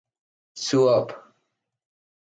Su op.